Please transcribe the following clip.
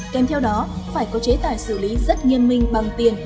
kèm theo đó phải có chế tài xử lý rất nghiêm minh bằng tiền